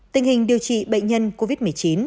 tình hình điều trị bệnh nhân covid một mươi chín